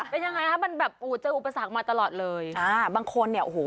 เป็นยังไงคะมันแบบโอ้เจออุปสรรคมาตลอดเลยอ่าบางคนเนี่ยโอ้โห